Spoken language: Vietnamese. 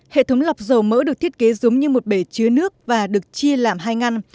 hệ thống lọc dầu mỡ được thiết kế giống như một bể chứa nước và được chia làm hai ngăn